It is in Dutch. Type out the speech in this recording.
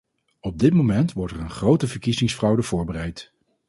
Op dit moment wordt er een grote verkiezingsfraude voorbereid.